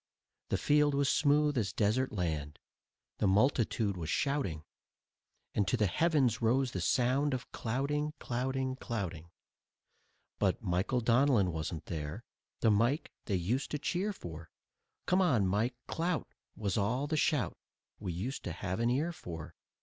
The field was smooth as desert land, the multitude was shouting, And to the heavens rose the sound of clouting, clouting, clouting. But Michael Donlin wasn't there, The Mike they used to cheer for. "Come on, Mike, clout!" was all the shout We used to have an ear for.